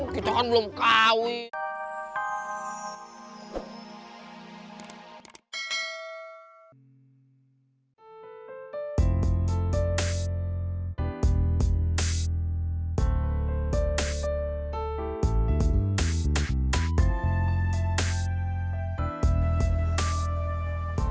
kita kan belum kawin